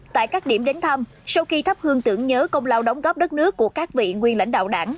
tại các điểm đến thăm sau khi thắp hương tưởng nhớ công lao đóng góp đất nước của các vị nguyên lãnh đạo đảng